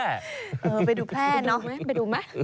เออไปดูแพ้เนาะไปดูมั้ย